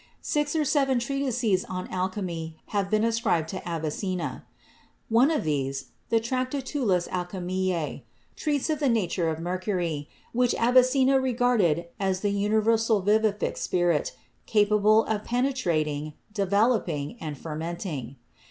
Six or seven treatises on alchemy have been ascribed to THE EARLY ALCHEMISTS 31 Avicenna. One of these, the "Tractatulus Alchimise," treats of the nature of mercury, which Avicenna regarded as the universal vivific spirit, capable of penetrating, de veloping and fermenting.